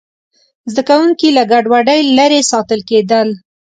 زده کوونکي له ګډوډۍ لرې ساتل کېدل.